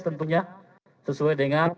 tentunya sesuai dengan